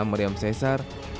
enam meriam caesar